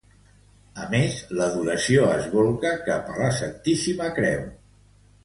A més, l'adoració es bolca cap a la Santíssima Creu.